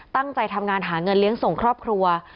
ตั้งใจทำงานหาเงินเลี้ยงส่งครอบครัว